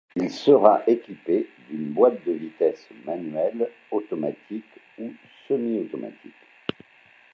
Il sera équipé d'une boite de vitesses manuelle, automatique ou semi-automatique.